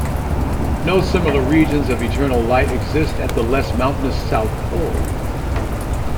No similar regions of eternal light exist at the less-mountainous south pole.